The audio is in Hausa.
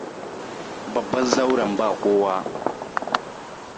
Babban zauren ba kowa.